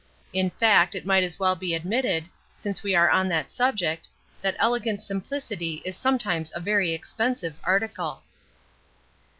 In fact, it might as well be admitted, since we are on that subject, that elegant simplicity is sometimes a very expensive article.